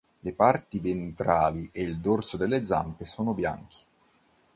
Le parti ventrali e il dorso delle zampe sono bianchi.